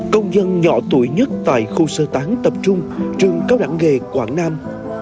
công dân nhỏ tuổi nhất tại khu sơ tán tập trung trường cao đẳng nghề quảng nam